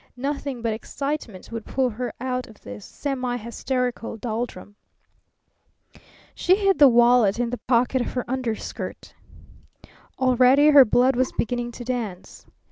Nothing but excitement would pull her out of this semi hysterical doldrum. She hid the wallet in the pocket of her underskirt. Already her blood was beginning to dance.